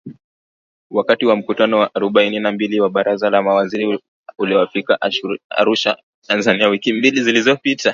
Wakati wa mkutano wa arobaini na mbili wa Baraza la Mawaziri uliofanyika Arusha, Tanzania wiki mbili zilizopita